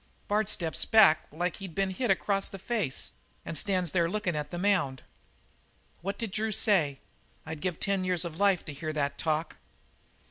Bard steps back like he'd been hit across the face and stands there lookin' at the mound. What did Drew say? I'd give ten years of life to hear that talk!